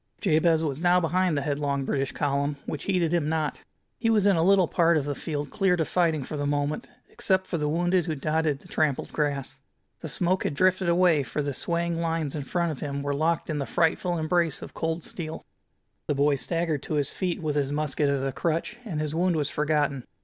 Jabez was now behind the headlong British column, which heeded him not. He was in a little part of the field cleared of fighting for the moment, except for the wounded who dotted the trampled grass. The smoke had drifted away, for the swaying lines in front of him were locked in the frightful embrace of cold steel. The boy staggered to his feet, with his musket as a crutch, and his wound was forgotten.